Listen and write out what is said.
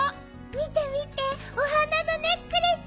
みてみてお花のネックレス。